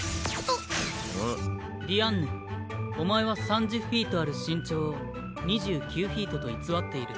ディアンヌお前は３０フィートある身長を２９フィートと偽っている。